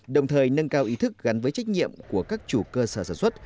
đồng thời nâng cao ý thức gắn với trách nhiệm của các chủ cơ sở sản xuất